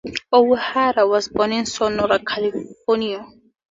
O'Hara was born in Sonora, California.